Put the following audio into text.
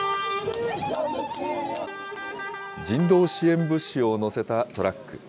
人道支援物資を載せたトラック。